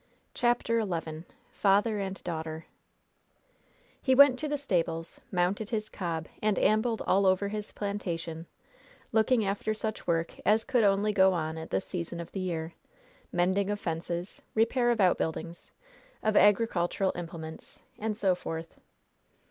CHAPTER XI FATHER AND DAUGHTER He went to the stables, mounted his cob and ambled all over his plantation, looking after such work as could only go on at this season of the year mending of fences, repair of outbuildings, of agricultural implements, and so forth.